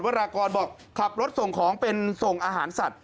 รากรบอกขับรถส่งของเป็นส่งอาหารสัตว